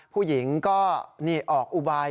ผู้หญิงก็ออกอุไบ